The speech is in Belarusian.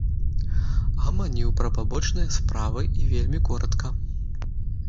Гаманіў пра пабочныя справы і вельмі коратка.